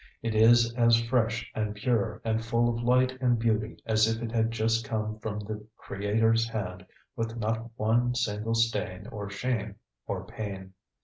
It is as fresh and pure and full of light and beauty as if it had just come from the Creator's hand with not one single stain or shame or pain.